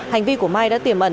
hành vi của mai đã tiềm ẩn